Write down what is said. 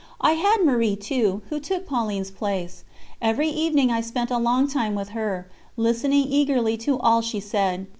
I had Marie, too, who took Pauline's place. Every evening I spent a long time with her, listening eagerly to all she said.